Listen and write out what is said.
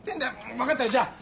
分かったよじゃあ